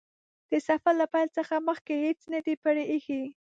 د سفر له پیل څخه مخکې هیڅ نه دي پرې ايښي.